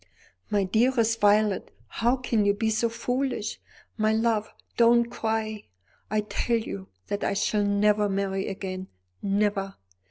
"My dearest Violet, how can you be so foolish? My love, don't cry. I tell you that I shall never marry again never.